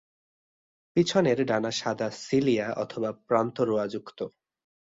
পিছনের ডানা সাদা সিলিয়া অথবা প্রান্তরোঁয়াযুক্ত।